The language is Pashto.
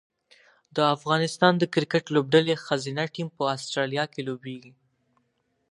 د افغانستان د کرکټ لوبډلې ښځینه ټیم په اسټرالیا کې لوبیږي